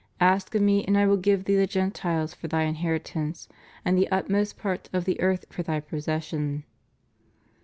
Ask of Me and I will give Thee the Gentiles for Thy inheritance, and the utmost parts of the earth for Thy possession?